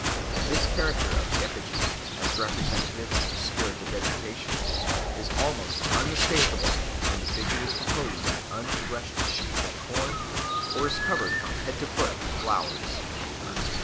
This character of the effigy, as representative of the spirit of vegetation, is almost unmistakable when the figure is composed of an unthreshed sheaf of corn or is covered from head to foot with flowers.